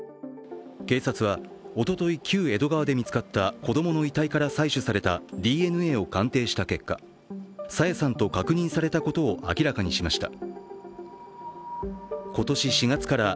警察はおととい、旧江戸川で見つかった子供の遺体から採取されたＤＮＡを鑑定した結果、朝芽さんと確認されたことを明らかにしました。